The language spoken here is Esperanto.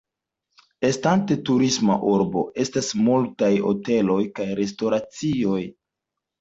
Estante turisma urbo, estas multaj hoteloj kaj restoracioj.